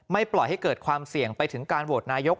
ปล่อยให้เกิดความเสี่ยงไปถึงการโหวตนายก